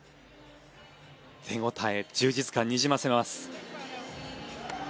手応え充実感にじませます。